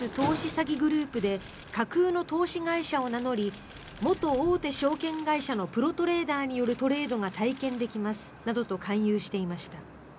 詐欺グループで架空の投資会社を名乗り元大手証券会社のプロトレーダーによるトレードが体験できますなどと勧誘していました。